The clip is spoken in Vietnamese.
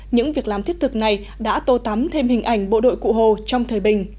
những việc làm thiết thực này đã tô tắm thêm hình ảnh bộ đội cụ hồ trong thời bình